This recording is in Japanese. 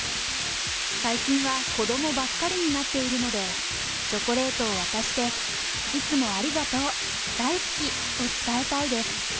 最近は子どもばっかりになっているので、チョコレートを渡して、いつもありがとう、大好きを伝えたいです。